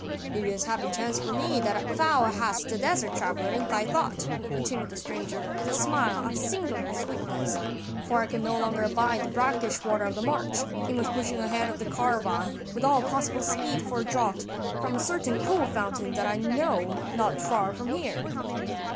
"It is a happy chance for me that thou hadst the desert traveler in thy thought," continued the stranger with a smile of singular sweetness, "for I could no longer abide the brackish water of the march, and was pushing ahead of the caravan with all possible speed for a draught from a certain cool fountain that I know not far from here."